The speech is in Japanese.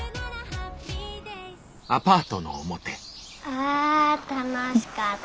あ楽しかった。